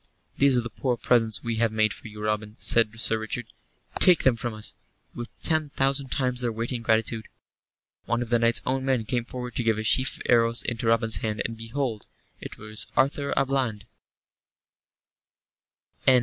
"These are the poor presents we have made for you, Robin," said Sir Richard. "Take them from us, with ten thousand times their weight in gratitude." One of the knight's own men came forward to give a sheaf of the arrows into Robin's hand, and, behold, it was Arthur à Bland!